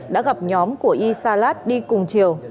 đã gặp nhóm của y salat đi cùng chiều